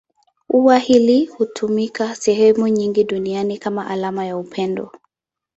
Ua hili hutumika sehemu nyingi duniani kama alama ya upendo.